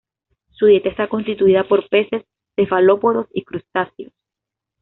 Su dieta está constituida por peces, cefalópodos y crustáceos.